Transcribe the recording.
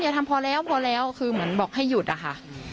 ทำพอแล้วพอแล้วคือเหมือนบอกให้หยุดอะค่ะ